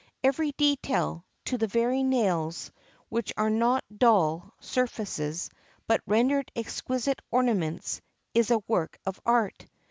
Every detail, to the very nails, which are not dull surfaces, but rendered exquisite ornaments, is a work of art.